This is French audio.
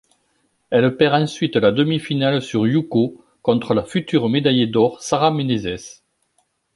Elle perd ensuite la demi-finale sur yuko contre la future médaillée d'or Sarah Menezes.